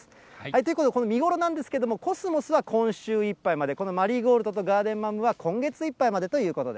ということで、見頃なんですけれども、コスモスは今週いっぱいまで、このマリーゴールドとガーデンマムは今月いっぱいまでということ